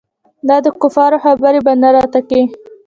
دا دکفارو خبرې به نه راته کيې.